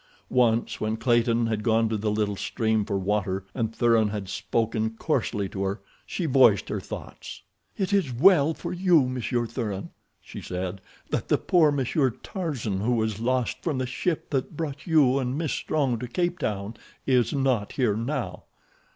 Once, when Clayton had gone to the little stream for water, and Thuran had spoken coarsely to her, she voiced her thoughts. "It is well for you, Monsieur Thuran," she said, "that the poor Monsieur Tarzan who was lost from the ship that brought you and Miss Strong to Cape Town is not here now."